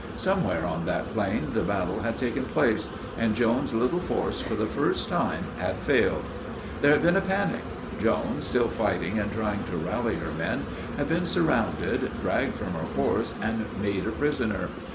Somewhere on that plain the battle had taken place, and Joan's little force for the first time had failed. There had been a panic; Joan, still fighting and trying to rally her men, had been surrounded, dragged from her horse, and made a prisoner.